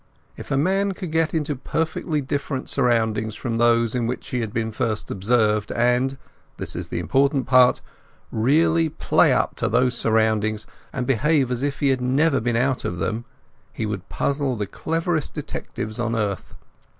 If a man could get into perfectly different surroundings from those in which he had been first observed, and—this is the important part—really play up to these surroundings and behave as if he had never been out of them, he would puzzle the cleverest detectives on earth.